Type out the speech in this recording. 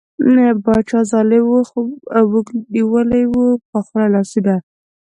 باچا ظالیم وو موږ نیولي وو په خوله لاسونه